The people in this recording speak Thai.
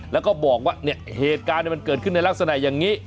แล้วก็บอกว่าเหตุการณ์มันเกิดขึ้นในลักษณะอย่างนี้